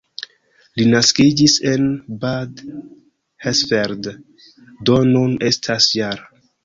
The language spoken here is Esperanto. Li naskiĝis en Bad Hersfeld, do nun estas -jara.